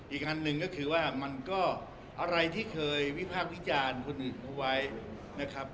อีกอันหนึ่งก็คือว่ามันก็อะไรที่เคยวิพากษ์วิจารณ์คนอื่นเขาไว้นะครับ